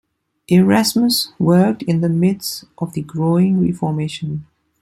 Erasmus worked in the midst of the growing Reformation.